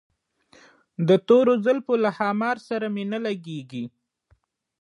د تورو زلفو له ښامار سره مي نه لګیږي